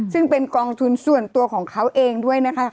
ซึ่งเป็นกองทุนส่วนตัวของเขาเองด้วยนะคะ